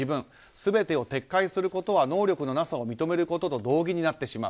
全てを撤回することは能力のなさを認めることと同義になってしまう。